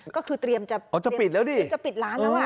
ก็คือเตรียมจะปิดร้านแล้วอ่ะ